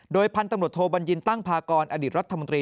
โดยพันตำรวจโทบัญญิณตั้งภากรอดิษฐ์รัฐมนตรี